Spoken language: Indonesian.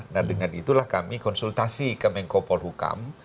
nah dengan itulah kami konsultasi ke mengkopol hukam